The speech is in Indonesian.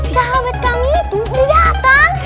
sahabat kami itu datang